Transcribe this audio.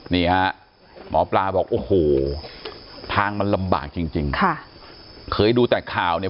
หมอปลาบอกโอ้โหทางมันลำบากจริงจริงค่ะเคยดูแต่ข่าวเนี่ย